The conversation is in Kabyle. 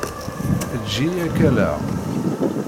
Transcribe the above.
Eǧǧ-iyi ad k-alleɣ.